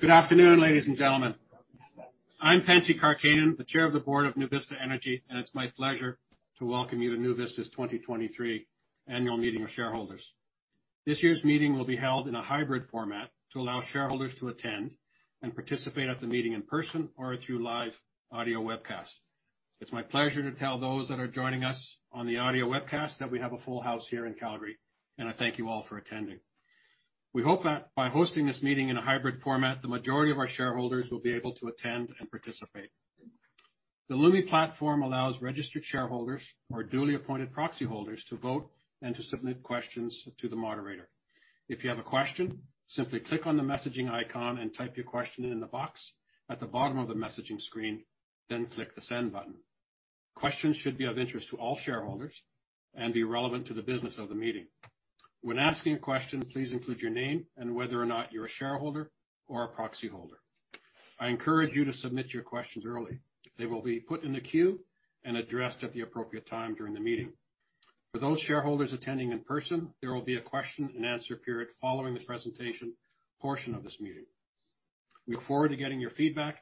Good afternoon, ladies and gentlemen. I'm Pentti Karkkainen, the Chair of the Board of NuVista Energy, and it's my pleasure to welcome you to NuVista's 2023 annual meeting of shareholders. This year's meeting will be held in a hybrid format to allow shareholders to attend and participate at the meeting in person or through live audio webcast. It's my pleasure to tell those that are joining us on the audio webcast that we have a full house here in Calgary, and I thank you all for attending. We hope that by hosting this meeting in a hybrid format, the majority of our shareholders will be able to attend and participate. The Lumi platform allows registered shareholders or duly appointed proxy holders to vote and to submit questions to the moderator. If you have a question, simply click on the messaging icon and type your question in the box at the bottom of the messaging screen, then click the send button. Questions should be of interest to all shareholders and be relevant to the business of the meeting. When asking a question, please include your name and whether or not you're a shareholder or a proxy holder. I encourage you to submit your questions early. They will be put in the queue and addressed at the appropriate time during the meeting. For those shareholders attending in person, there will be a question and answer period following the presentation portion of this meeting. We look forward to getting your feedback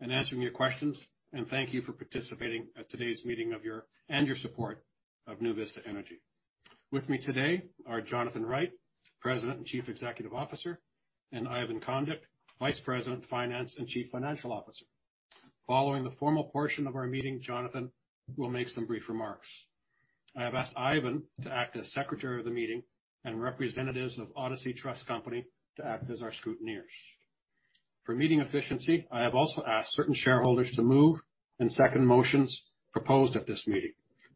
and answering your questions, and thank you for participating at today's meeting. Your support of NuVista Energy. With me today are Jonathan Wright, President and Chief Executive Officer, and Ivan Condic, Vice President of Finance and Chief Financial Officer. Following the formal portion of our meeting, Jonathan will make some brief remarks. I have asked Ivan to act as Secretary of the meeting and representatives of Odyssey Trust Company to act as our Scrutineers. For meeting efficiency, I have also asked certain shareholders to move and second motions proposed at this meeting.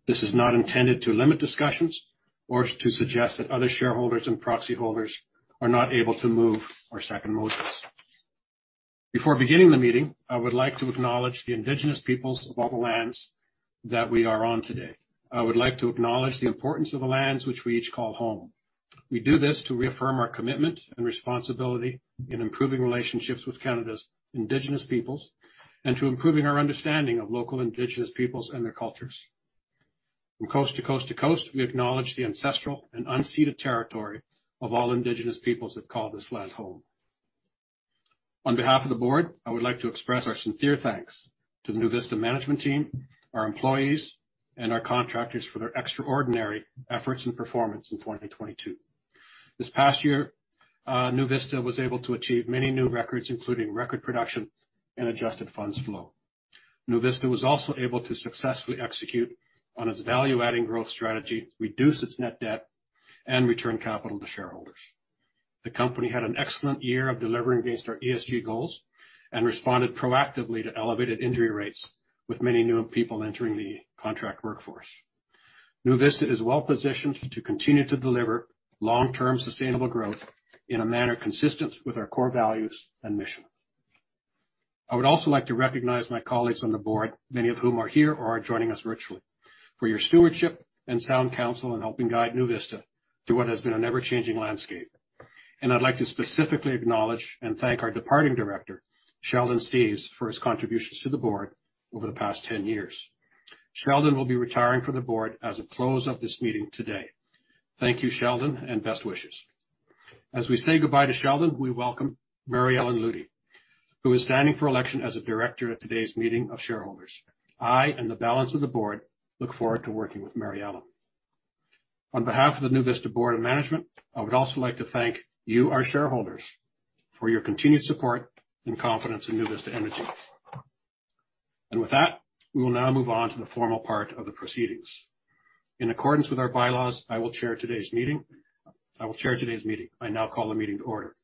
This is not intended to limit discussions or to suggest that other shareholders and proxy holders are not able to move or second motions. Before beginning the meeting, I would like to acknowledge the Indigenous Peoples of all the lands that we are on today. I would like to acknowledge the importance of the lands which we each call home. We do this to reaffirm our commitment and responsibility in improving relationships with Canada's indigenous peoples, and to improving our understanding of local indigenous peoples and their cultures. From coast to coast to coast, we acknowledge the ancestral and unceded territory of all indigenous peoples that call this land home. On behalf of the board, I would like to express our sincere thanks to the NuVista management team, our employees, and our contractors for their extraordinary efforts and performance in 2022. This past year, NuVista was able to achieve many new records, including record production and adjusted funds flow. NuVista was also able to successfully execute on its value-adding growth strategy, reduce its net debt, and return capital to shareholders. The company had an excellent year of delivering against our ESG goals and responded proactively to elevated injury rates with many new people entering the contract workforce. NuVista is well-positioned to continue to deliver long-term sustainable growth in a manner consistent with our core values and mission. I would also like to recognize my colleagues on the board, many of whom are here or are joining us virtually, for your stewardship and sound counsel in helping guide NuVista through what has been an ever-changing landscape. I'd like to specifically acknowledge and thank our departing director, Sheldon Steeves, for his contributions to the board over the past 10 years. Sheldon will be retiring from the board as of close of this meeting today. Thank you, Sheldon, and best wishes. As we say goodbye to Sheldon, we welcome Mary Ellen Lutey, who is standing for election as a director at today's meeting of shareholders. I and the balance of the board look forward to working with Mary-Ellen. On behalf of the NuVista board of management, I would also like to thank you, our shareholders, for your continued support and confidence in NuVista Energy. With that, we will now move on to the formal part of the proceedings. In accordance with our bylaws, I will chair today's meeting. I will chair today's meeting. I now call the meeting to order.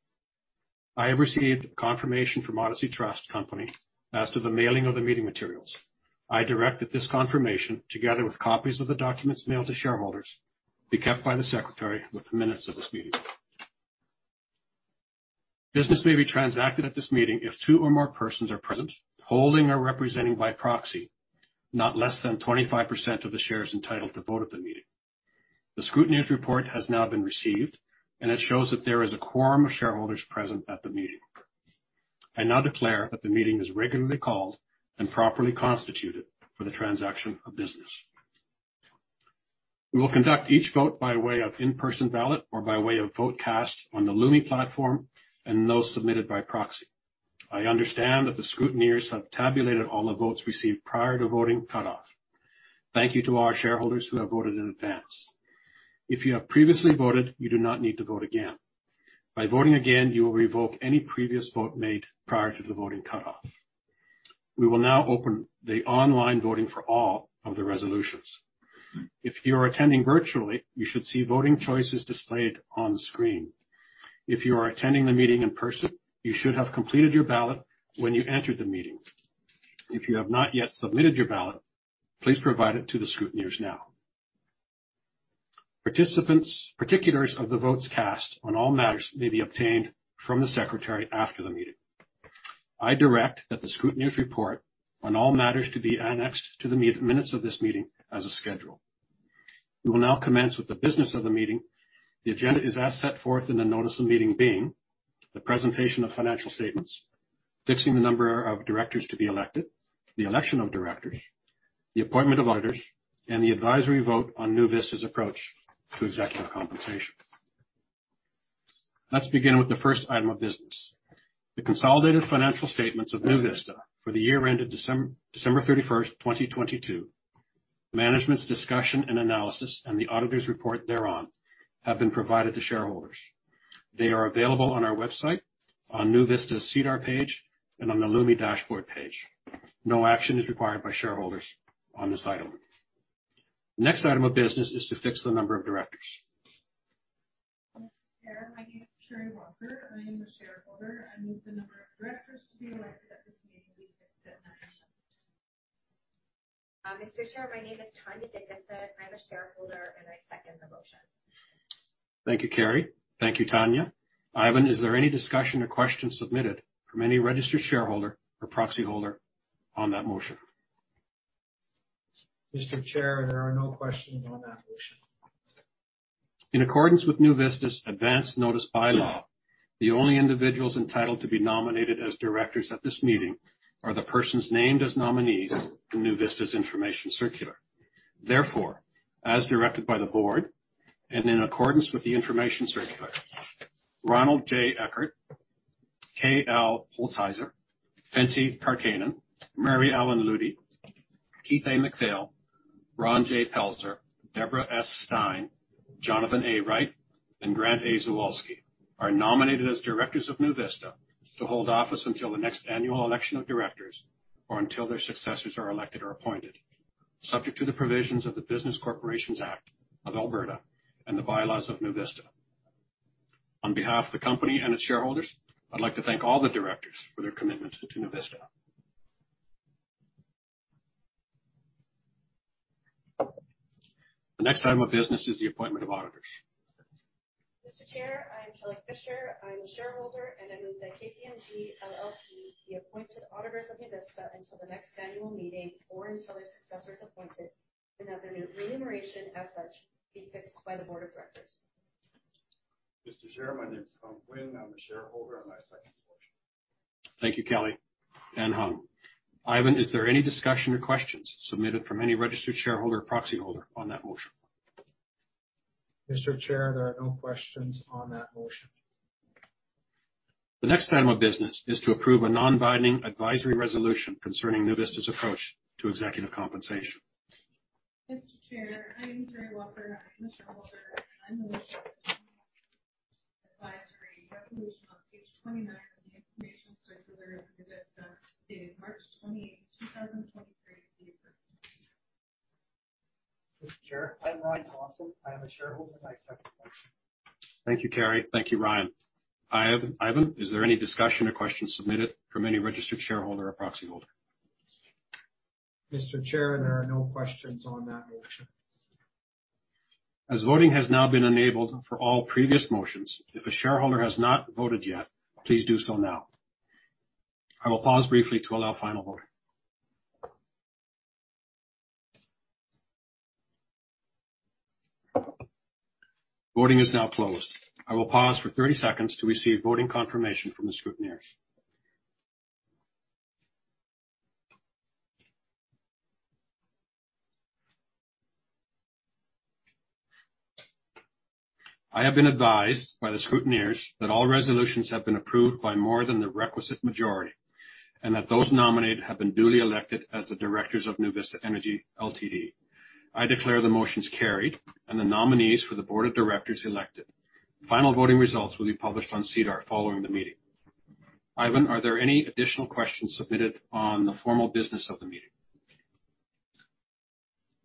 I have received confirmation from Odyssey Trust Company as to the mailing of the meeting materials. I direct that this confirmation, together with copies of the documents mailed to shareholders, be kept by the secretary with the minutes of this meeting. Business may be transacted at this meeting if two or more persons are present, holding or representing by proxy, not less than 25% of the shares entitled to vote at the meeting. The scrutineers report has now been received, and it shows that there is a quorum of shareholders present at the meeting. I now declare that the meeting is regularly called and properly constituted for the transaction of business. We will conduct each vote by way of in-person ballot or by way of vote cast on the Lumi platform and those submitted by proxy. I understand that the scrutineers have tabulated all the votes received prior to voting cutoff. Thank you to our shareholders who have voted in advance. If you have previously voted, you do not need to vote again. By voting again, you will revoke any previous vote made prior to the voting cutoff. We will now open the online voting for all of the resolutions. If you are attending virtually, you should see voting choices displayed on screen. If you are attending the meeting in person, you should have completed your ballot when you entered the meeting. If you have not yet submitted your ballot, please provide it to the scrutineers now. Participants, particulars of the votes cast on all matters may be obtained from the secretary after the meeting. I direct that the scrutineers report on all matters to be annexed to the minutes of this meeting as a schedule. We will now commence with the business of the meeting. The agenda is as set forth in the notice of meeting being the presentation of financial statements, fixing the number of directors to be elected, the election of directors, the appointment of auditors, and the advisory vote on NuVista's approach to executive compensation. Let's begin with the first item of business. The consolidated financial statements of NuVista for the year ended December 31st, 2022. Management's discussion and analysis and the auditor's report thereon have been provided to shareholders. They are available on our website, on NuVista's SEDAR page, and on the Lumi dashboard page. No action is required by shareholders on this item. Next item of business is to fix the number of directors. Mr. Chair, my name is Carrie Walker. I am a shareholder. I move the number of directors to be elected at this meeting be fixed at nine members. Mr. Chair, my name is Tanya Dickinson. I'm a shareholder. I second the motion. Thank you, Carrie. Thank you, Tanya. Ivan, is there any discussion or questions submitted from any registered shareholder or proxy holder on that motion? Mr. Chair, there are no questions on that motion. In accordance with NuVista's advance notice bylaw, the only individuals entitled to be nominated as directors at this meeting are the persons named as nominees in NuVista's information circular. Therefore, as directed by the board and in accordance with the information circular, Ronald J. Eckhardt, K.L. Holzhauser, Pentti Karkkainen, Mary Ellen Lutey, Keith A. MacPhail, Ronald J. Poelzer, Deborah S. Stein, Jonathan A. Wright, and Grant A. Zawalsky are nominated as directors of NuVista to hold office until the next annual election of directors or until their successors are elected or appointed, subject to the provisions of the Business Corporations Act of Alberta and the bylaws of NuVista. On behalf of the company and its shareholders, I'd like to thank all the directors for their commitment to NuVista. The next item of business is the appointment of auditors. Mr. Chair, I am Kelly Fisher. I'm a shareholder, and I move that KPMG LLP be appointed auditors of NuVista until the next annual meeting or until their successors appointed and that their remuneration as such be fixed by the board of directors. Mr. Chair, my name is Hung Nguyen. I'm a shareholder, and I second the motion. Thank you, Kelly and Hung. Ivan, is there any discussion or questions submitted from any registered shareholder or proxy holder on that motion? Mr. Chair, there are no questions on that motion. The next item of business is to approve a non-binding advisory resolution concerning NuVista's approach to executive compensation. Mr. Chair, I am Carrie Walker. I'm a shareholder, and I move that the executive compensation advisory resolution on page 29 of the information circular of NuVista dated March 20, 2023 be approved. Mr. Chair, I'm Ryan Thompson. I am a shareholder, and I second the motion. Thank you, Carrie. Thank you, Ryan. Ivan, is there any discussion or questions submitted from any registered shareholder or proxy holder? Mr. Chair, there are no questions on that motion. Voting has now been enabled for all previous motions, if a shareholder has not voted yet, please do so now. I will pause briefly to allow final voting. Voting is now closed. I will pause for 30 seconds to receive voting confirmation from the scrutineers. I have been advised by the scrutineers that all resolutions have been approved by more than the requisite majority and that those nominated have been duly elected as the directors of NuVista Energy Ltd. I declare the motions carried and the nominees for the board of directors elected. Final voting results will be published on SEDAR following the meeting. Ivan, are there any additional questions submitted on the formal business of the meeting?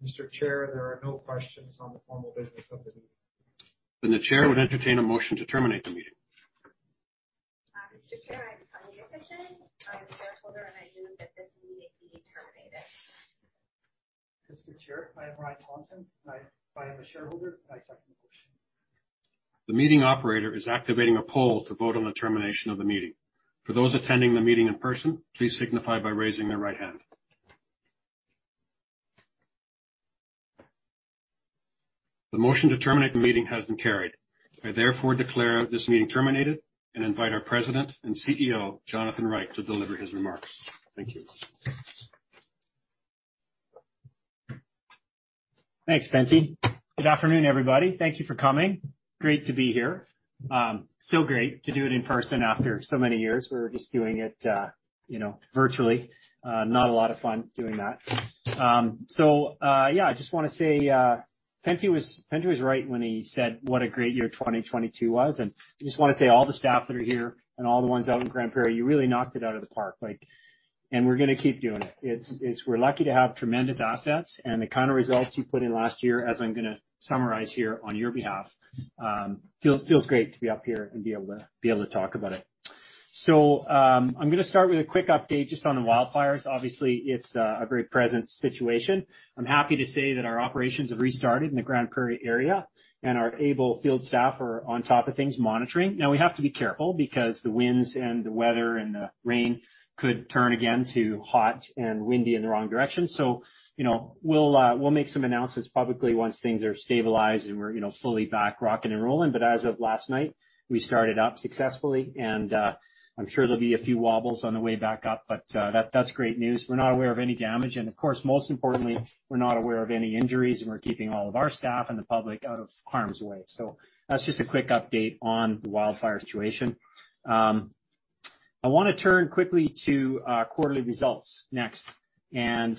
Mr. Chair, there are no questions on the formal business of the meeting. The Chair would entertain a motion to terminate the meeting. Mr. Chair, I'm Tanya Dickinson. I am a shareholder, and I move that this meeting be terminated. Mr. Chair, I am Ryan Thompson. I am a shareholder. I second the motion. The meeting operator is activating a poll to vote on the termination of the meeting. For those attending the meeting in person, please signify by raising their right hand. The motion to terminate the meeting has been carried. I therefore declare this meeting terminated and invite our President and CEO, Jonathan Wright, to deliver his remarks. Thank you. Thanks, Pentti. Good afternoon, everybody. Thank you for coming. Great to be here. Great to do it in person after so many years. We're just doing it, you know, virtually. Not a lot of fun doing that. Yeah, I just wanna say Pentti was right when he said what a great year 2022 was. I just wanna say all the staff that are here and all the ones out in Grande Prairie, you really knocked it out of the park. Like, we're gonna keep doing it. We're lucky to have tremendous assets and the kind of results you put in last year, as I'm gonna summarize here on your behalf, feels great to be up here and be able to talk about it. I'm gonna start with a quick update just on the wildfires. Obviously, it's a very present situation. I'm happy to say that our operations have restarted in the Grande Prairie area, and our able field staff are on top of things monitoring. We have to be careful because the winds and the weather and the rain could turn again to hot and windy in the wrong direction. You know, we'll make some announcements publicly once things are stabilized and we're, you know, fully back rocking and rolling. As of last night, we started up successfully, and I'm sure there'll be a few wobbles on the way back up, but that's great news. We're not aware of any damage. Of course, most importantly, we're not aware of any injuries, and we're keeping all of our staff and the public out of harm's way. That's just a quick update on the wildfire situation. I wanna turn quickly to quarterly results next. We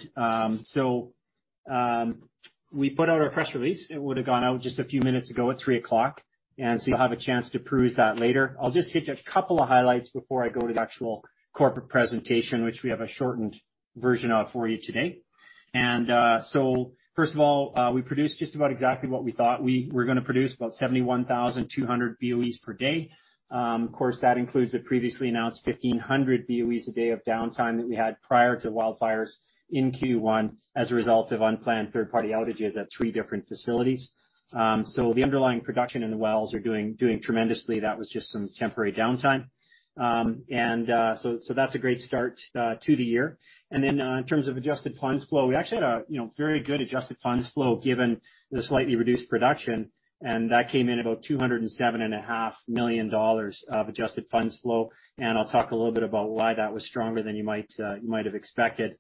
put out our press release. It would have gone out just a few minutes ago at 3:00 P.M., and so you'll have a chance to peruse that later. I'll just hit a couple of highlights before I go to the actual corporate presentation, which we have a shortened version of for you today. First of all, we produced just about exactly what we thought. We were gonna produce about 71,200 BOEs per day. Of course, that includes a previously announced 1,500 BOEs a day of downtime that we had prior to wildfires in Q1 as a result of unplanned third-party outages at three different facilities. The underlying production in the wells are doing tremendously. That was just some temporary downtime. That's a great start to the year. In terms of adjusted funds flow, we actually had a, you know, very good adjusted funds flow given the slightly reduced production, and that came in about 207 and a half million of adjusted funds flow. I'll talk a little bit about why that was stronger than you might have expected.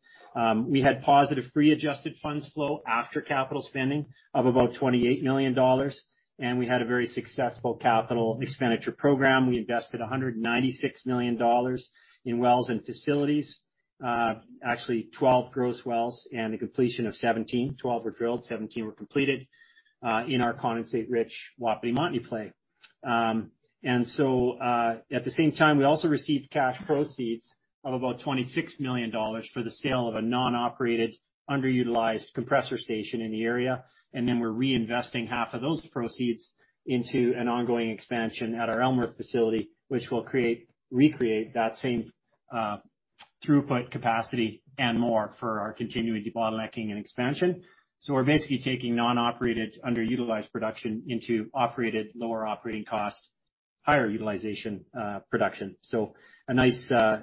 We had positive free adjusted funds flow after capital spending of about 28 million dollars, and we had a very successful capital expenditure program. We invested 196 million dollars in wells and facilities. Actually 12 gross wells and a completion of 17. 12 were drilled, 17 were completed in our condensate-rich Wapiti Montney play. At the same time, we also received cash proceeds of about 26 million dollars for the sale of a non-operated underutilized compressor station in the area. We're reinvesting half of those proceeds into an ongoing expansion at our Elmworth facility, which will recreate that same throughput capacity and more for our continuing debottlenecking and expansion. We're basically taking non-operated underutilized production into operated lower operating costs, higher utilization production. A nice, a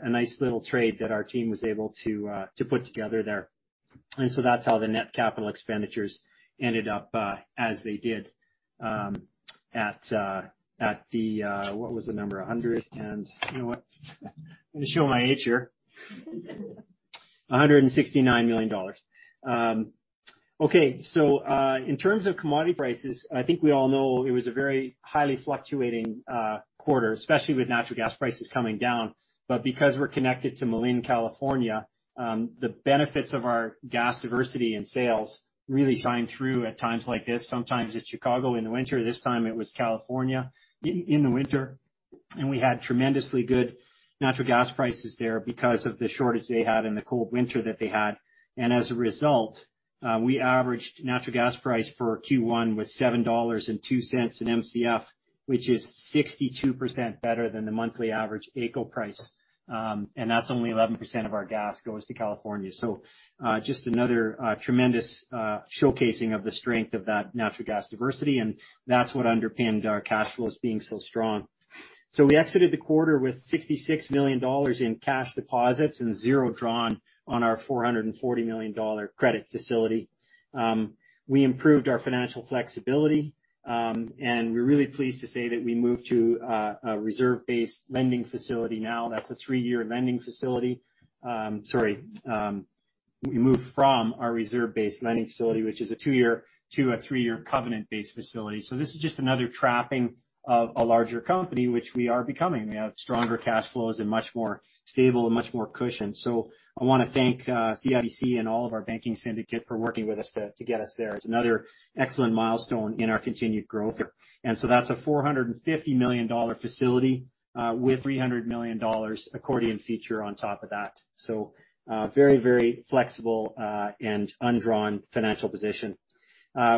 nice little trade that our team was able to put together there. That's how the net capital expenditures ended up as they did at the... What was the number? You know what? I'm gonna show my age here. $169 million. Okay. In terms of commodity prices, I think we all know it was a very highly fluctuating quarter, especially with natural gas prices coming down. Because we're connected to Malin, California, the benefits of our gas diversity and sales really shine through at times like this. Sometimes it's Chicago in the winter, this time it was California in the winter, and we had tremendously good natural gas prices there because of the shortage they had and the cold winter that they had. As a result, we averaged natural gas price for Q1 was $7.02 in MCF, which is 62% better than the monthly average AECO price. That's only 11% of our gas goes to California. Just another tremendous showcasing of the strength of that natural gas diversity, and that's what underpinned our cash flows being so strong. We exited the quarter with $66 million in cash deposits and 0 drawn on our $440 million credit facility. We improved our financial flexibility, we're really pleased to say that we moved to a reserve-based lending facility now that's a 3-year lending facility. Sorry, we moved from our reserve-based lending facility, which is a 2-year to a 3-year covenant-based facility. This is just another trapping of a larger company, which we are becoming. We have stronger cash flows and much more stable and much more cushion. I wanna thank CIBC and all of our banking syndicate for working with us to get us there. It's another excellent milestone in our continued growth. That's a $450 million facility with $300 million accordion feature on top of that. Very, very flexible and undrawn financial position.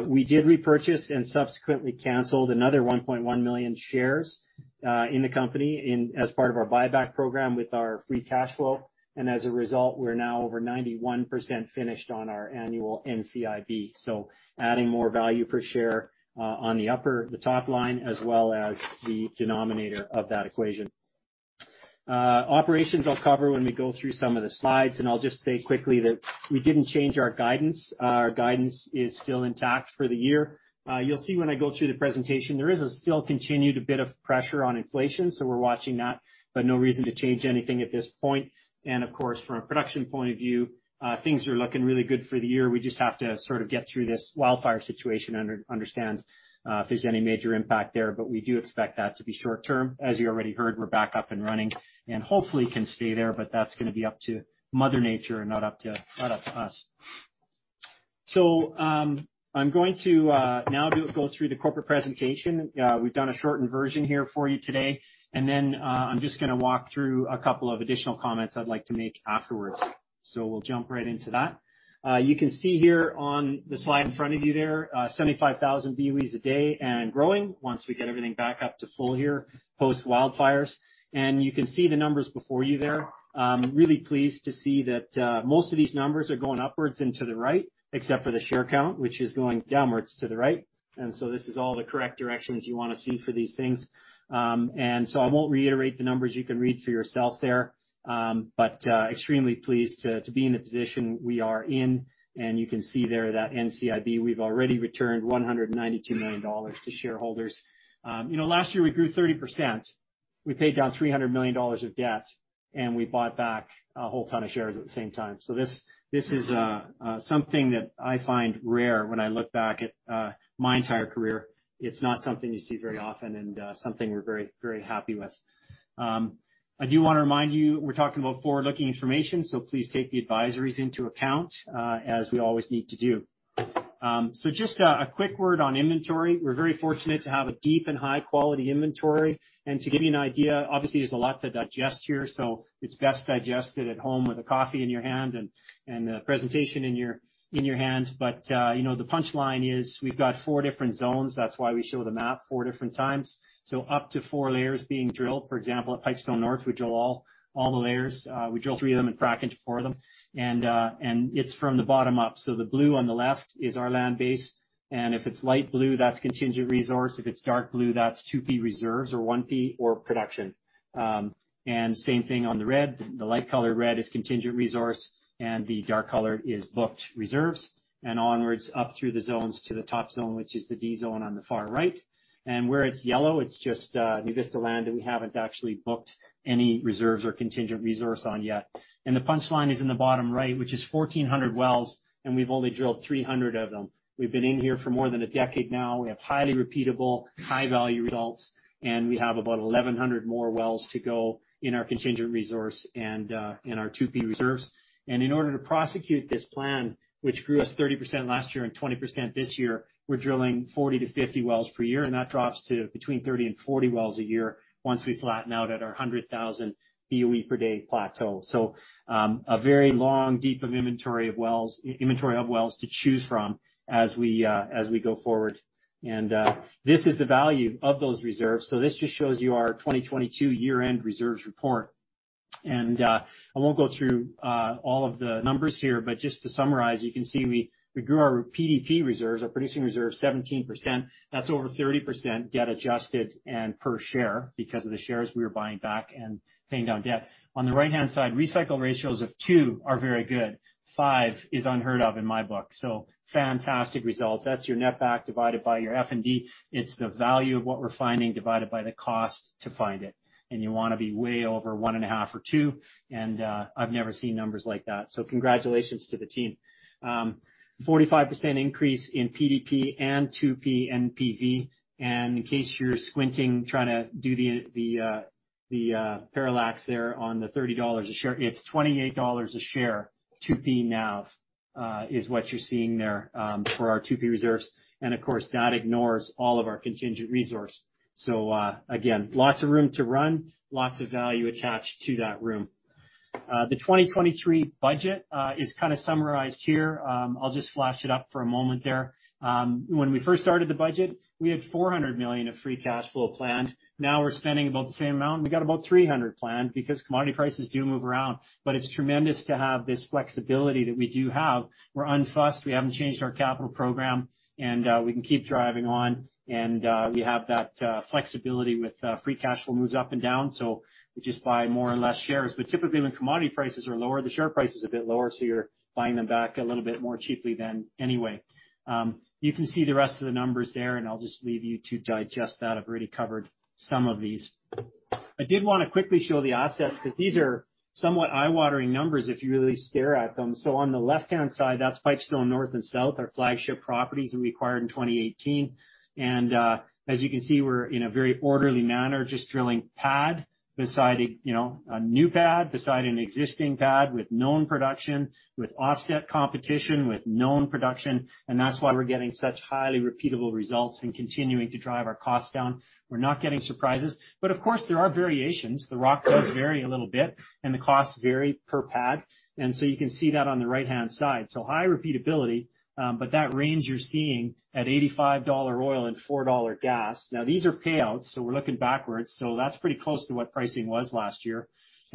We did repurchase and subsequently canceled another 1.1 million shares in the company as part of our buyback program with our free cash flow. As a result, we're now over 91% finished on our annual NCIB. Adding more value per share, on the upper, the top line, as well as the denominator of that equation. Operations I'll cover when we go through some of the slides. I'll just say quickly that we didn't change our guidance. Our guidance is still intact for the year. You'll see when I go through the presentation, there is a still continued a bit of pressure on inflation. We're watching that, no reason to change anything at this point. Of course, from a production point of view, things are looking really good for the year. We just have to sort of get through this wildfire situation and understand if there's any major impact there. We do expect that to be short-term. As you already heard, we're back up and running and hopefully can stay there, but that's gonna be up to Mother Nature and not up to us. I'm going to now go through the corporate presentation. We've done a shortened version here for you today, then I'm just gonna walk through a couple of additional comments I'd like to make afterwards. We'll jump right into that. You can see here on the slide in front of you there, 75,000 BOEs a day and growing once we get everything back up to full here post wildfires. You can see the numbers before you there. Really pleased to see that most of these numbers are going upwards and to the right, except for the share count, which is going downwards to the right. This is all the correct directions you wanna see for these things. I won't reiterate the numbers you can read for yourself there, extremely pleased to be in the position we are in. You can see there that NCIB, we've already returned 192 million dollars to shareholders. You know, last year we grew 30%. We paid down 300 million dollars of debt, and we bought back a whole ton of shares at the same time. This is something that I find rare when I look back at my entire career. It's not something you see very often and something we're very happy with. I do wanna remind you, we're talking about forward-looking information, so please take the advisories into account as we always need to do. Just a quick word on inventory. We're very fortunate to have a deep and high-quality inventory. To give you an idea, obviously, there's a lot to digest here, so it's best digested at home with a coffee in your hand and a presentation in your hand. You know, the punchline is we've got 4 different zones. That's why we show the map 4 different times. Up to 4 layers being drilled. For example, at Pipestone North, we drill all the layers. We drill 3 of them and frack into 4 of them. It's from the bottom up. The blue on the left is our land base, and if it's light blue, that's Contingent Resource. If it's dark blue, that's 2P reserves or 1P or production. Same thing on the red. The light color red is Contingent resource, and the dark color is booked reserves. Onwards up through the zones to the top zone, which is the D zone on the far right. Where it's yellow, it's just NuVista land that we haven't actually booked any reserves or Contingent resource on yet. The punchline is in the bottom right, which is 1,400 wells, and we've only drilled 300 of them. We've been in here for more than a decade now. We have highly repeatable, high value results, and we have about 1,100 more wells to go in our Contingent resource and in our 2P reserves. In order to prosecute this plan, which grew us 30% last year and 20% this year, we're drilling 40-50 wells per year, and that drops to between 30 and 40 wells a year once we flatten out at our 100,000 BOE per day plateau. A very long, deep of inventory of wells to choose from as we go forward. This is the value of those reserves. This just shows you our 2022 year-end reserves report. I won't go through all of the numbers here, but just to summarize, you can see we grew our PDP reserves, our producing reserves, 17%. That's over 30% debt adjusted and per share because of the shares we were buying back and paying down debt. On the right-hand side, recycle ratios of 2 are very good. 5 is unheard of in my book, so fantastic results. That's your netback divided by your F&D. It's the value of what we're finding divided by the cost to find it. You wanna be way over 1.5 or 2, and I've never seen numbers like that. Congratulations to the team. 45% increase in PDP and 2P NPV. In case you're squinting, trying to do the parallax there on the 30 dollars a share, it's 28 dollars a share 2P NAV, is what you're seeing there, for our 2P reserves. Of course, that ignores all of our Contingent resource. Again, lots of room to run, lots of value attached to that room. The 2023 budget is kinda summarized here. I'll just flash it up for a moment there. When we first started the budget, we had 400 million of free cash flow planned. Now we're spending about the same amount, we got about 300 million planned because commodity prices do move around. It's tremendous to have this flexibility that we do have. We're unfussed, we haven't changed our capital program, and we can keep driving on. We have that flexibility with free cash flow moves up and down, so we just buy more and less shares. Typically, when commodity prices are lower, the share price is a bit lower, so you're buying them back a little bit more cheaply than anyway. You can see the rest of the numbers there. I'll just leave you to digest that. I've already covered some of these. I did wanna quickly show the offsets 'cause these are somewhat eye-watering numbers if you really stare at them. On the left-hand side, that's Pipestone North and South, our flagship properties we acquired in 2018. As you can see, we're in a very orderly manner, just drilling pad beside a new pad, beside an existing pad with known production, with offset competition, with known production. That's why we're getting such highly repeatable results and continuing to drive our costs down. We're not getting surprises, but of course, there are variations. The rock does vary a little bit and the costs vary per pad. You can see that on the right-hand side. High repeatability, but that range you're seeing at $85 oil and $4 gas. These are payouts, so we're looking backwards, so that's pretty close to what pricing was last year.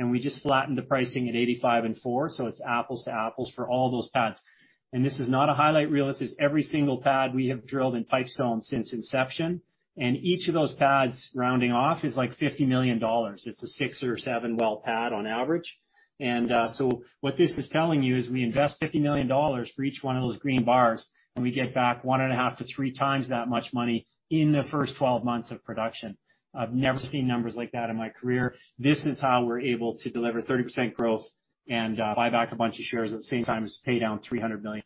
We just flattened the pricing at $85 and $4, so it's apples to apples for all those pads. This is not a highlight reel. This is every single pad we have drilled in Pipestone since inception. Each of those pads rounding off is like $50 million. It's a six or seven well pad on average. What this is telling you is we invest $50 million for each one of those green bars, and we get back one and a half to three times that much money in the first 12 months of production. I've never seen numbers like that in my career. This is how we're able to deliver 30% growth and buy back a bunch of shares at the same time as pay down 300 million.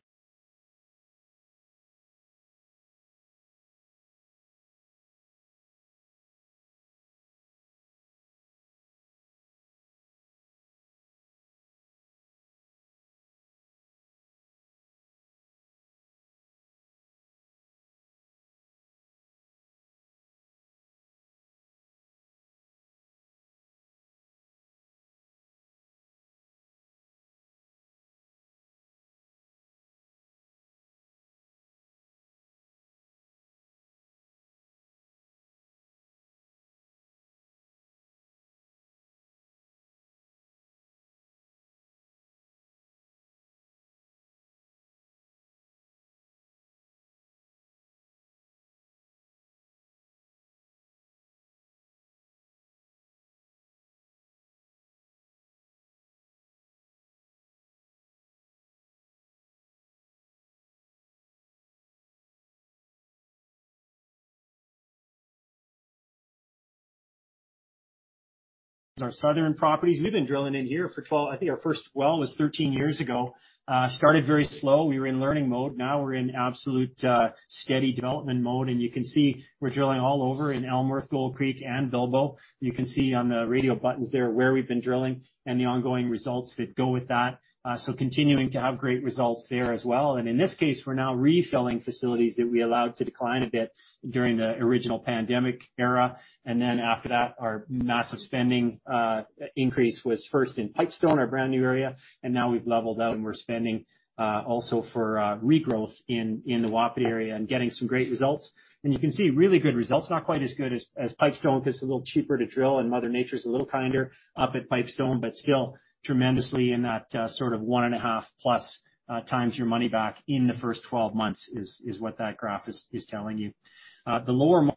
Our southern properties. We've been drilling in here for 12... I think our first well was 13 years ago. Started very slow. We were in learning mode. Now we're in absolute steady development mode. You can see we're drilling all over in Elmworth, Gold Creek and Bilbo. You can see on the radio buttons there where we've been drilling and the ongoing results that go with that. Continuing to have great results there as well. In this case, we're now refilling facilities that we allowed to decline a bit during the original pandemic era. After that, our massive spending increase was first in Pipestone, our brand new area. Now we've leveled out, and we're spending also for regrowth in the Wapiti area and getting some great results. You can see really good results. Not quite as good as Pipestone, because it's a little cheaper to drill, and Mother Nature is a little kinder up at Pipestone, but still tremendously in that sort of 1.5+ times your money back in the first 12 months is what that graph is telling you. The Lower Montney,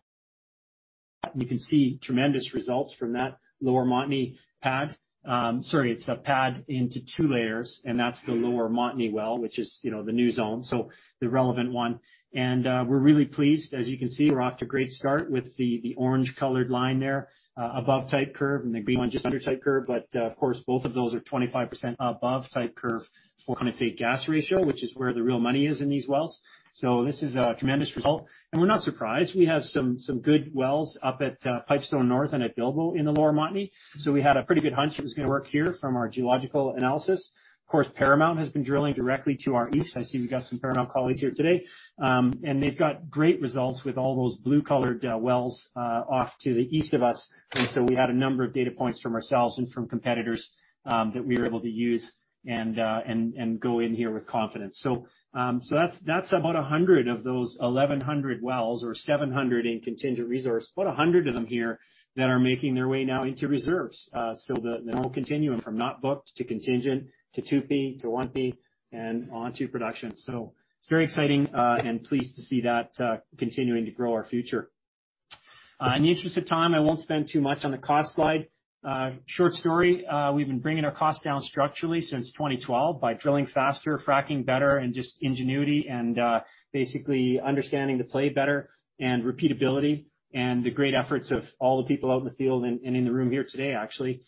you can see tremendous results from that Lower Montney pad. Sorry, it's a pad into two layers, and that's the Lower Montney well, which is, you know, the new zone, so the relevant one. We're really pleased. As you can see, we're off to a great start with the orange colored line there, above type curve and the green one just under type curve. Of course, both of those are 25% above type curve for condensate gas ratio, which is where the real money is in these wells. This is a tremendous result, and we're not surprised. We have some good wells up at Pipestone North and at Bilbo in the Lower Montney. We had a pretty good hunch it was gonna work here from our geological analysis. Paramount has been drilling directly to our east. I see we've got some Paramount colleagues here today. They've got great results with all those blue-colored wells off to the east of us. We had a number of data points from ourselves and from competitors, that we were able to use and go in here with confidence. That's about 100 of those 1,100 wells or 700 in Contingent resource, about 100 of them here that are making their way now into reserves. The whole continuum from not booked to Contingent to 2P to 1P and on to production. It's very exciting, and pleased to see that continuing to grow our future. In the interest of time, I won't spend too much on the cost slide. Short story, we've been bringing our costs down structurally since 2012 by drilling faster, fracking better, and just ingenuity and basically understanding the play better and repeatability and the great efforts of all the people out in the field and in the room here today, actually.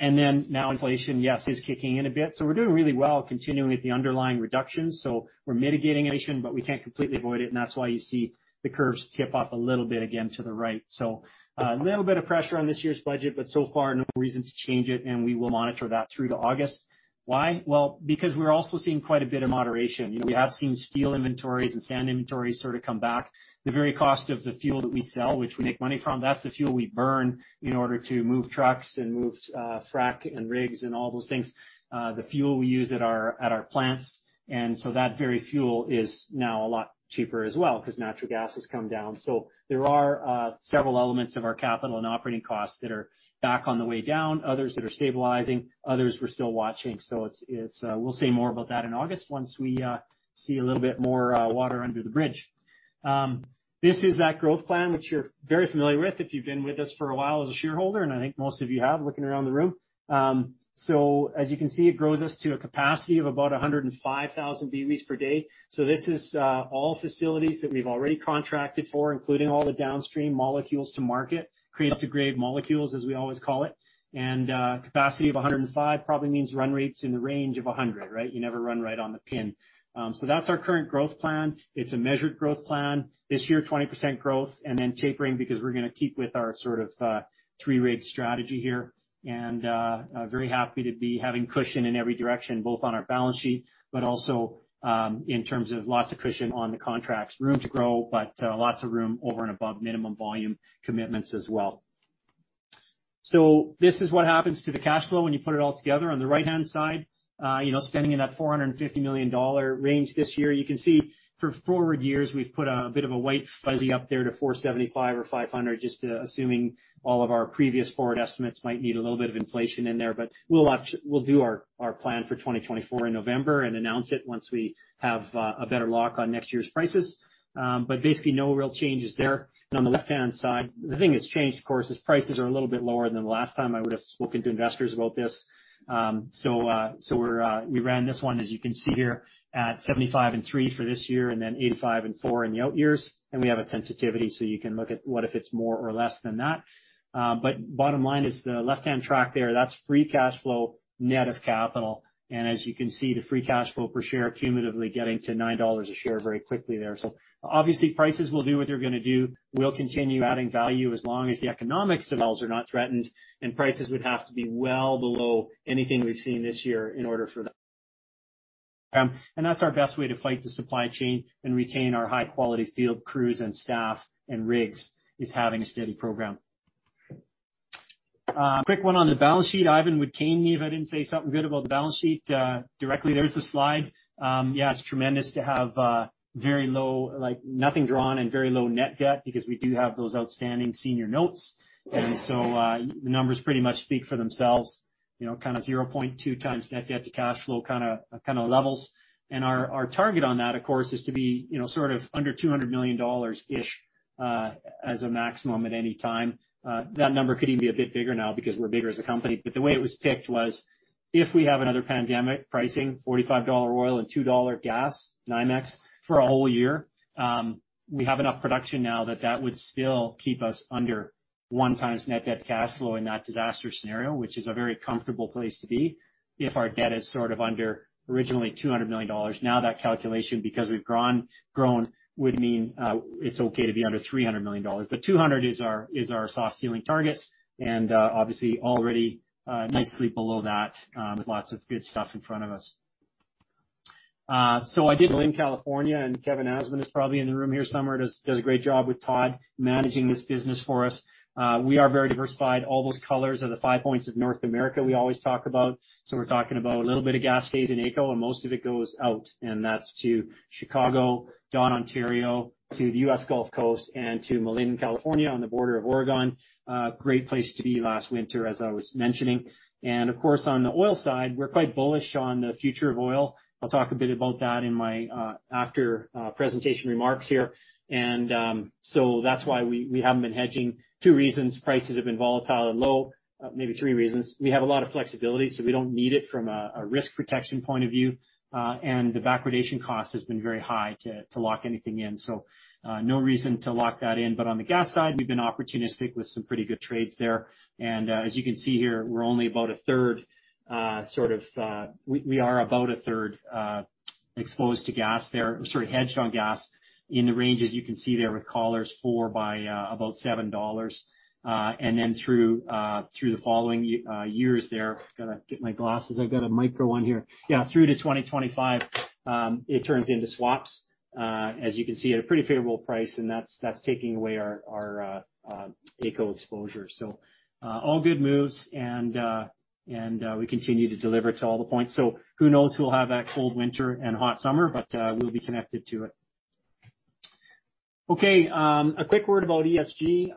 Now inflation, yes, is kicking in a bit. We're doing really well continuing with the underlying reductions. We're mitigating inflation, but we can't completely avoid it. That's why you see the curves tip up a little bit again to the right. A little bit of pressure on this year's budget, but so far no reason to change it, and we will monitor that through to August. Why? Well, because we're also seeing quite a bit of moderation. You know, we have seen steel inventories and sand inventories sort of come back. The very cost of the fuel that we sell, which we make money from, that's the fuel we burn in order to move trucks and move frack and rigs and all those things. The fuel we use at our plants. That very fuel is now a lot cheaper as well because natural gas has come down. There are several elements of our capital and operating costs that are back on the way down, others that are stabilizing, others we're still watching. It's we'll say more about that in August once we see a little bit more water under the bridge. This is that growth plan, which you're very familiar with if you've been with us for a while as a shareholder, and I think most of you have, looking around the room. As you can see, it grows us to a capacity of about 105,000 BOEs per day. This is all facilities that we've already contracted for, including all the downstream molecules to market, creates a grade molecules, as we always call it. Capacity of 105 probably means run rates in the range of 100, right? You never run right on the pin. That's our current growth plan. It's a measured growth plan. This year, 20% growth and then tapering because we're gonna keep with our sort of 3 rate strategy here. Very happy to be having cushion in every direction, both on our balance sheet, but also in terms of lots of cushion on the contracts. Room to grow, lots of room over and above minimum volume commitments as well. This is what happens to the cash flow when you put it all together. On the right-hand side, you know, spending in that 450 million dollar range this year. You can see for forward years, we've put a bit of a white fuzzy up there to 475 million or 500 million, just assuming all of our previous forward estimates might need a little bit of inflation in there. We'll do our plan for 2024 in November and announce it once we have a better lock on next year's prices. Basically no real changes there. On the left-hand side, the thing that's changed, of course, is prices are a little bit lower than the last time I would have spoken to investors about this. We ran this one, as you can see here, at $75.03 for this year and then $85.04 in the out years. We have a sensitivity, so you can look at what if it's more or less than that. Bottom line is the left-hand track there, that's free cash flow net of capital. As you can see, the free cash flow per share cumulatively getting to 9 dollars a share very quickly there. Obviously, prices will do what they're gonna do. We'll continue adding value as long as the economics of wells are not threatened, prices would have to be well below anything we've seen this year in order for that. That's our best way to fight the supply chain and retain our high-quality field crews and staff and rigs is having a steady program. Quick one on the balance sheet. Ivan would cane me if I didn't say something good about the balance sheet directly. There's the slide. Yeah, it's tremendous to have very low, like nothing drawn and very low net debt because we do have those outstanding senior notes. The numbers pretty much speak for themselves, you know, kind of 0.2 times net debt to cash flow kinda levels. Our, our target on that, of course, is to be, you know, sort of under $200 million-ish, as a maximum at any time. That number could even be a bit bigger now because we're bigger as a company. The way it was picked was, if we have another pandemic pricing, $45 oil and $2 gas, NYMEX, for a whole year, we have enough production now that that would still keep us under 1 times net debt cash flow in that disaster scenario, which is a very comfortable place to be if our debt is sort of under originally $200 million. Now that calculation, because we've grown, would mean, it's okay to be under $300 million. 200 is our, is our soft ceiling target, and obviously already nicely below that, with lots of good stuff in front of us. I did LINN California, and Kevin Asmundse n is probably in the room here somewhere. Does a great job with Todd managing this business for us. We are very diversified. All those colors are the 5 points of North America we always talk about. We're talking about a little bit of gas haze in AECO, and most of it goes out, and that's to Chicago, Dawn, Ontario, to the US Gulf Coast, and to Malin, California, on the border of Oregon. Great place to be last winter, as I was mentioning. Of course, on the oil side, we're quite bullish on the future of oil. I'll talk a bit about that in my after presentation remarks here. That's why we haven't been hedging. 2 reasons, prices have been volatile and low. Maybe 3 reasons. We have a lot of flexibility, so we don't need it from a risk protection point of view. The backwardation cost has been very high to lock anything in. No reason to lock that in. On the gas side, we've been opportunistic with some pretty good trades there. As you can see here, we're only about a third exposed to gas there, sort of hedged on gas in the ranges you can see there with collars 4 by about 7 dollars. Through the following years there... Gotta get my glasses. I've got a micro on here. Through to 2025, it turns into swaps, as you can see, at a pretty favorable price. That's taking away our AECO exposure. All good moves and we continue to deliver to all the points. Who knows who will have that cold winter and hot summer, but we'll be connected to it. A quick word about ESG.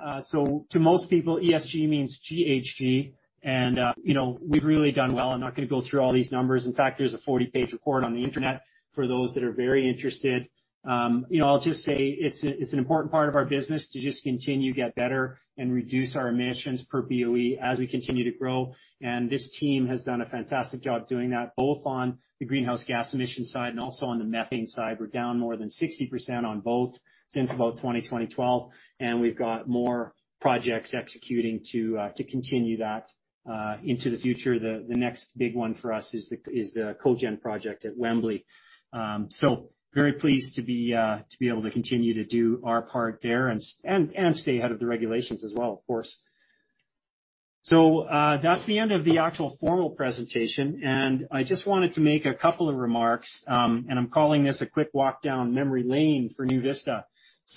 To most people, ESG means GHG. You know, we've really done well. I'm not gonna go through all these numbers. In fact, there's a 40-page report on the internet for those that are very interested. you know, I'll just say it's an important part of our business to just continue to get better and reduce our emissions per BOE as we continue to grow. This team has done a fantastic job doing that, both on the greenhouse gas emission side and also on the methane side. We're down more than 60% on both since about 2012, and we've got more projects executing to continue that into the future. The next big one for us is the cogen project at Wembley. so very pleased to be to be able to continue to do our part there and stay ahead of the regulations as well, of course. That's the end of the actual formal presentation. I just wanted to make a couple of remarks, and I'm calling this a quick walk down memory lane for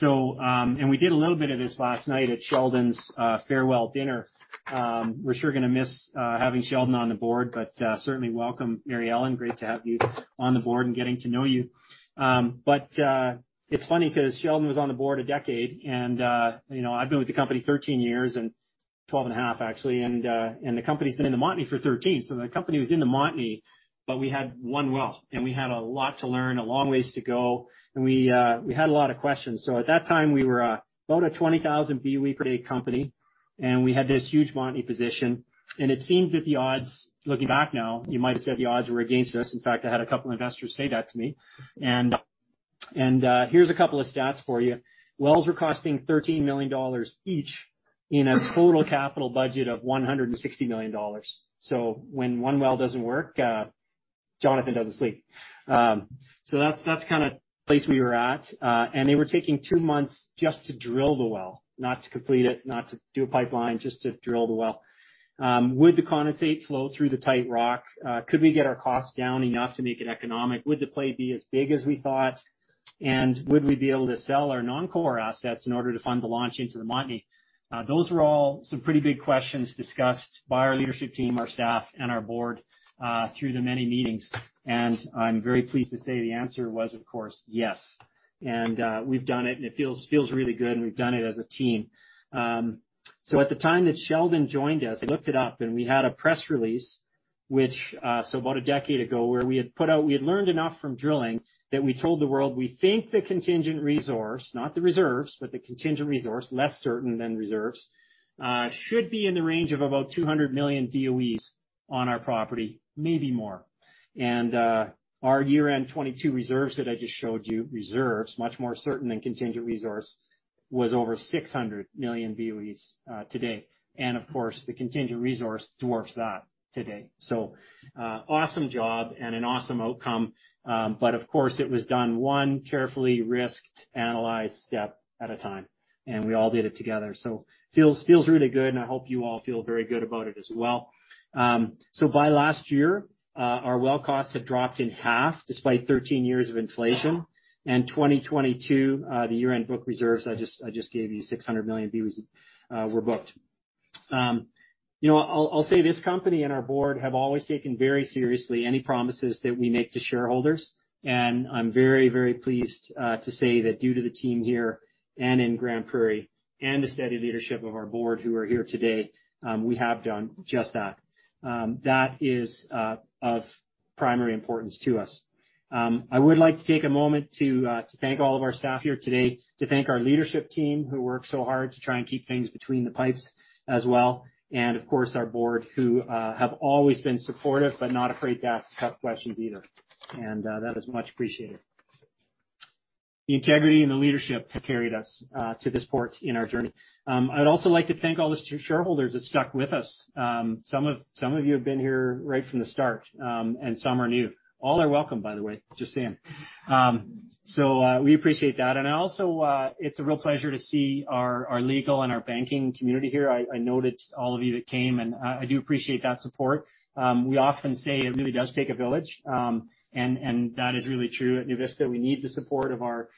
NuVista. We did a little bit of this last night at Sheldon's farewell dinner. We're sure gonna miss having Sheldon on the board, but certainly welcome Mary Ellen. Great to have you on the board and getting to know you. It's funny 'cause Sheldon was on the board a decade and you know, I've been with the company 13 years, and 12 and a half actually, and the company's been in the Montney for 13. The company was in the Montney, but we had 1 well, and we had a lot to learn, a long ways to go, and we had a lot of questions. At that time, we were about a 20,000 BOE per day company, and we had this huge Montney position, and it seemed that the odds, looking back now, you might have said the odds were against us. In fact, I had a couple investors say that to me. Here's a couple of stats for you. Wells were costing 13 million dollars each in a total capital budget of 160 million dollars. When one well doesn't work, Jonathan doesn't sleep. That's, that's kind of the place we were at. They were taking two months just to drill the well, not to complete it, not to do a pipeline, just to drill the well. Would the condensate flow through the tight rock? Could we get our costs down enough to make it economic? Would the play be as big as we thought? Would we be able to sell our non-core assets in order to fund the launch into the Montney? Those were all some pretty big questions discussed by our leadership team, our staff, and our board, through the many meetings. I'm very pleased to say the answer was, of course, yes. We've done it, and it feels really good, and we've done it as a team. At the time that Sheldon joined us, I looked it up, and we had a press release, which, so about a decade ago, where we had put out... We had learned enough from drilling that we told the world we think the contingent resource, not the reserves, but the contingent resource, less certain than reserves, should be in the range of about 200 million BOEs on our property, maybe more. Our year-end 2022 reserves that I just showed you, reserves, much more certain than contingent resource, was over 600 million BOEs today. Of course, the contingent resource dwarfs that today. Awesome job and an awesome outcome. But of course, it was done one carefully risked, analyzed step at a time, and we all did it together. Feels really good, and I hope you all feel very good about it as well. By last year, our well costs had dropped in half despite 13 years of inflation. 2022, the year-end book reserves I just gave you, 600 million BOEs, were booked. You know, I'll say this company and our board have always taken very seriously any promises that we make to shareholders. I'm very pleased to say that due to the team here and in Grande Prairie and the steady leadership of our board who are here today, we have done just that. That is of primary importance to us. I would like to take a moment to thank all of our staff here today, to thank our leadership team who worked so hard to try and keep things between the pipes as well. Of course, our board, who have always been supportive but not afraid to ask tough questions either. That is much appreciated. The integrity and the leadership have carried us to this point in our journey. I'd also like to thank all the shareholders that stuck with us. Some of you have been here right from the start, and some are new. All are welcome, by the way. Just saying. We appreciate that. I also. It's a real pleasure to see our legal and our banking community here. I noticed all of you that came, and I do appreciate that support. We often say it really does take a village, and that is really true at NuVista. We need the support of our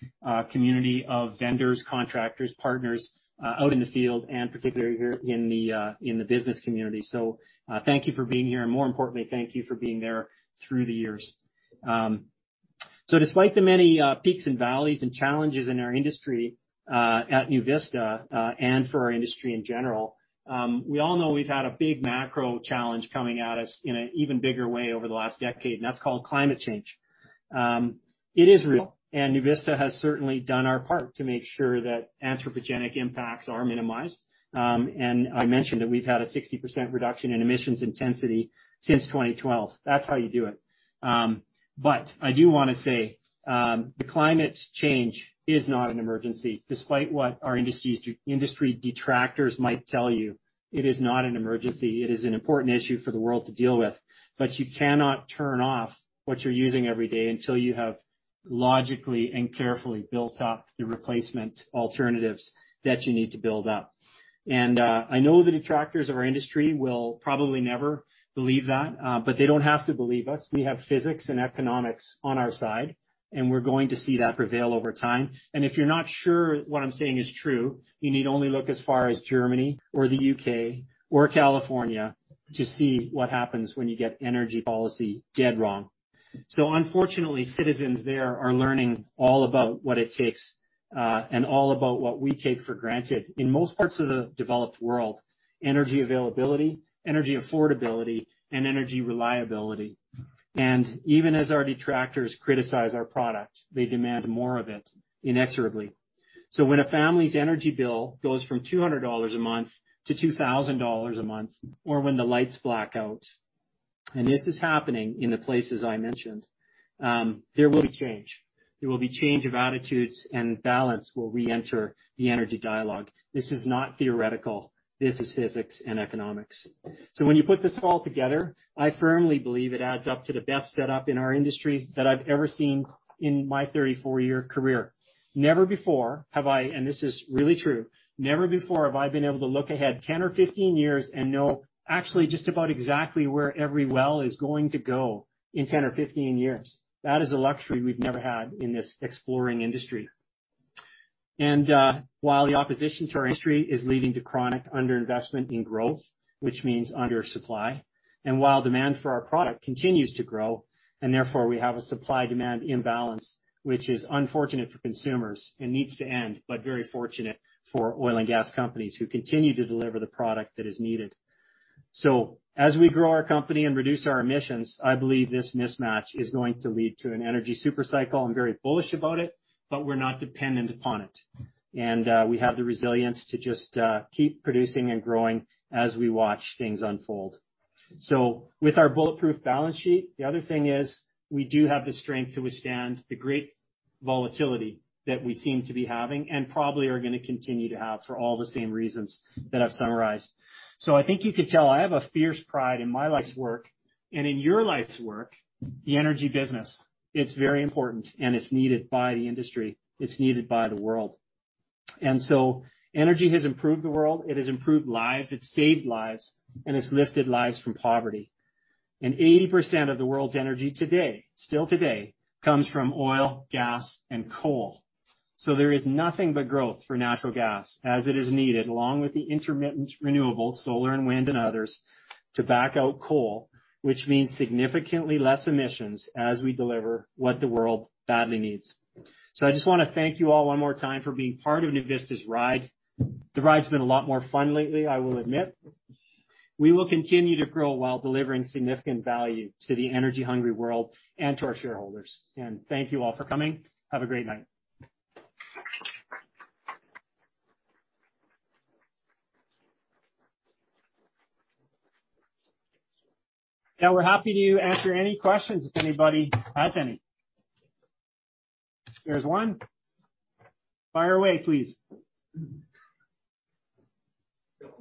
community of vendors, contractors, partners out in the field and particularly here in the business community. Thank you for being here. More importantly, thank you for being there through the years. Despite the many peaks and valleys and challenges in our industry, at NuVista, and for our industry in general, we all know we've had a big macro challenge coming at us in an even bigger way over the last decade, and that's called climate change. It is real, and NuVista has certainly done our part to make sure that anthropogenic impacts are minimized. I mentioned that we've had a 60% reduction in emissions intensity since 2012. That's how you do it. I do wanna say, the climate change is not an emergency, despite what our industry detractors might tell you. It is not an emergency. It is an important issue for the world to deal with. You cannot turn off what you're using every day until you have logically and carefully built up the replacement alternatives that you need to build up. I know the detractors of our industry will probably never believe that, but they don't have to believe us. We have physics and economics on our side, and we're going to see that prevail over time. If you're not sure what I'm saying is true, you need only look as far as Germany or the UK or California to see what happens when you get energy policy dead wrong. Unfortunately, citizens there are learning all about what it takes, and all about what we take for granted. In most parts of the developed world, energy availability, energy affordability, and energy reliability. Even as our detractors criticize our product, they demand more of it inexorably. When a family's energy bill goes from 200 dollars a month to 2,000 dollars a month, or when the lights black out, and this is happening in the places I mentioned, there will be change. There will be change of attitudes, and balance will reenter the energy dialogue. This is not theoretical. This is physics and economics. When you put this all together, I firmly believe it adds up to the best setup in our industry that I've ever seen in my 34-year career. This is really true. Never before have I been able to look ahead 10 or 15 years and know actually just about exactly where every well is going to go in 10 or 15 years. That is a luxury we've never had in this exploring industry. While the opposition to our industry is leading to chronic underinvestment in growth, which means undersupply, and while demand for our product continues to grow, and therefore we have a supply-demand imbalance, which is unfortunate for consumers and needs to end, but very fortunate for oil and gas companies who continue to deliver the product that is needed. As we grow our company and reduce our emissions, I believe this mismatch is going to lead to an energy super cycle. I'm very bullish about it, but we're not dependent upon it. We have the resilience to just keep producing and growing as we watch things unfold. With our bulletproof balance sheet, the other thing is we do have the strength to withstand the great volatility that we seem to be having and probably are gonna continue to have for all the same reasons that I've summarized. I think you could tell I have a fierce pride in my life's work and in your life's work, the energy business. It's very important, and it's needed by the industry. It's needed by the world. Energy has improved the world. It has improved lives, it's saved lives, and it's lifted lives from poverty. 80% of the world's energy today, still today, comes from oil, gas, and coal. There is nothing but growth for natural gas as it is needed, along with the intermittent renewables, solar and wind and others, to back out coal, which means significantly less emissions as we deliver what the world badly needs. I just wanna thank you all one more time for being part of NuVista's ride. The ride's been a lot more fun lately, I will admit. We will continue to grow while delivering significant value to the energy-hungry world and to our shareholders. Thank you all for coming. Have a great night. We're happy to answer any questions if anybody has any. There's one. Fire away, please. Bill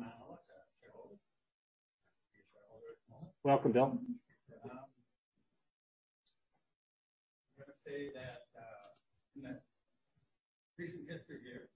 Malott, Shareholder. Welcome, Bill. I'm gonna say that in the recent history here,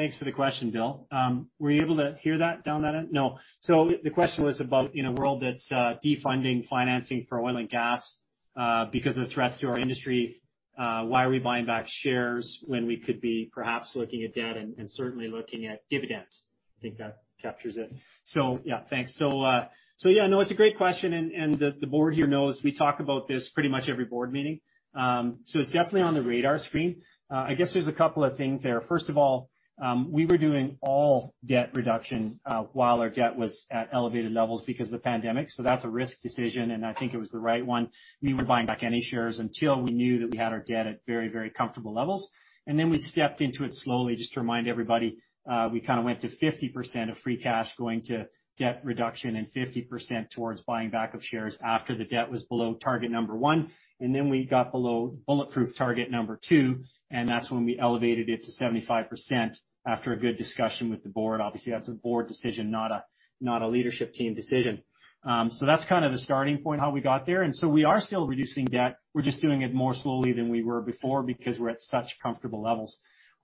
seems to be attacking or preparing, let's say preparing for increase in capital gains and taxes and benefits of dividends. That perhaps the shareholders should be getting dividends first out of this excess cash flow. The federal government rules. Yeah. I recognize that's obvious for financing, but if you're gonna use cash as something terrible. Thanks for the question, Bill. Were you able to hear that down that end? No. The question was about, in a world that's defunding financing for oil and gas, because of the threats to our industry, why are we buying back shares when we could be perhaps looking at debt and certainly looking at dividends. I think that captures it. Yeah, thanks. Yeah, no, it's a great question and the board here knows we talk about this pretty much every board meeting. It's definitely on the radar screen. I guess there's a couple of things there. First of all, we were doing all debt reduction, while our debt was at elevated levels because of the pandemic, so that's a risk decision, and I think it was the right one. We weren't buying back any shares until we knew that we had our debt at very, very comfortable levels. Then we stepped into it slowly just to remind everybody, we kinda went to 50% of free cash going to debt reduction and 50% towards buying back up shares after the debt was below target number 1. Then we got below bulletproof target number 2, and that's when we elevated it to 75% after a good discussion with the Board. Obviously, that's a Board decision, not a Leadership Team decision. So that's kind of the starting point, how we got there. So we are still reducing debt. We're just doing it more slowly than we were before because we're at such comfortable levels.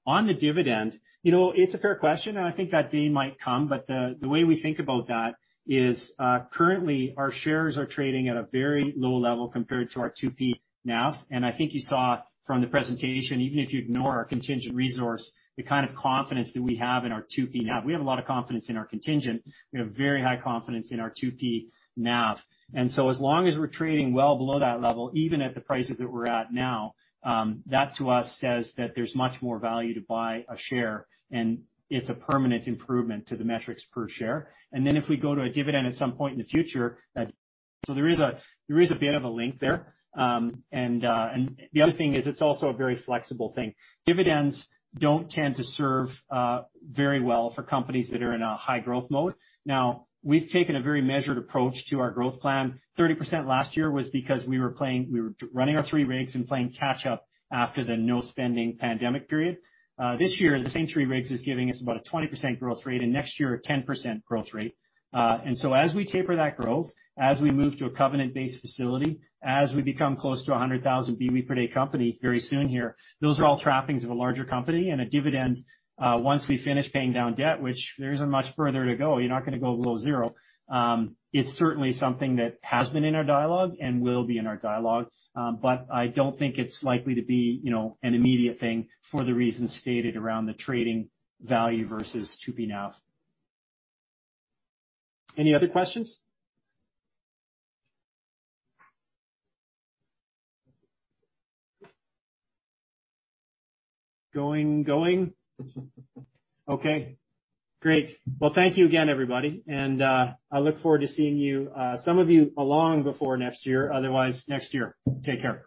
On the dividend, you know, it's a fair question, and I think that day might come. The way we think about that is, currently our shares are trading at a very low level compared to our 2P NAV. I think you saw from the presentation, even if you ignore our Contingent Resources, the kind of confidence that we have in our 2P NAV. We have a lot of confidence in our contingent. We have very high confidence in our 2P NAV. As long as we're trading well below that level, even at the prices that we're at now, that to us says that there's much more value to buy a share, and it's a permanent improvement to the metrics per share. If we go to a dividend at some point in the future. There is a bit of a link there. The other thing is it's also a very flexible thing. Dividends don't tend to serve very well for companies that are in a high growth mode. Now, we've taken a very measured approach to our growth plan. 30% last year was because we were running our 3 rigs and playing catch up after the no spending pandemic period. This year, the same 3 rigs is giving us about a 20% growth rate, and next year a 10% growth rate. As we taper that growth, as we move to a covenant-based facility, as we become close to a 100,000 BOE per day company very soon here, those are all trappings of a larger company and a dividend, once we finish paying down debt, which there isn't much further to go, you're not gonna go below 0. It's certainly something that has been in our dialogue and will be in our dialogue, but I don't think it's likely to be, you know, an immediate thing for the reasons stated around the trading value versus 2P NAV. Any other questions? Going, going. Okay, great. Well, thank you again, everybody. I look forward to seeing you, some of you long before next year. Otherwise, next year. Take care.